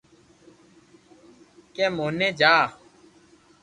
ڪي موني جا